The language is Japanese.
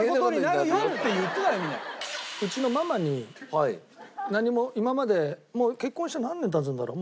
うちのママに何も今まで結婚して何年経つんだろう？